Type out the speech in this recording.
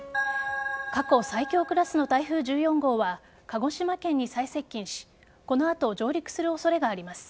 過去最強クラスの台風１４号は鹿児島県に最接近しこの後上陸する恐れがあります。